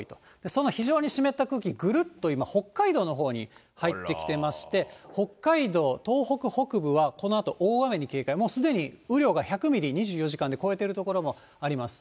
その非常に湿った空気、ぐるっと今、北海道のほうに入ってきてまして、北海道、東北北部は、このあと大雨に警戒、もうすでに雨量が１００ミリ、２４時間で超えている所もあります。